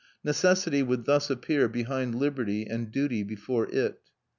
Necessity would thus appear behind liberty and duty before it.